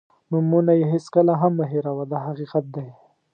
نومونه یې هېڅکله هم مه هېروه دا حقیقت دی.